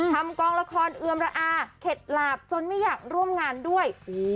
กองละครเอือมระอาเข็ดหลาบจนไม่อยากร่วมงานด้วย